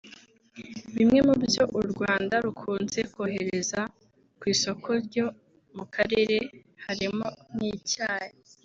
Bimwe mu byo u Rwanda rukunze koherereza ku isoko ryo mu karere harimo nk’icyayi